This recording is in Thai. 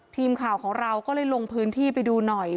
ทีมข่าวของเราก็เลยลงพื้นที่ไปดูหน่อย